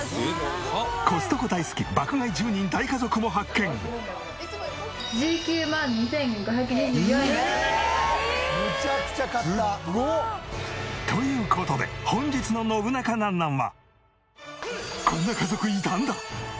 コストコ大好き爆買い１０人大家族も発見。という事で本日の『ノブナカなんなん？』は。